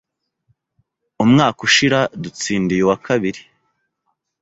Umwaka ushira dutsindiye uwa kabiri.